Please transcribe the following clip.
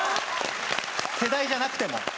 世代じゃなくても。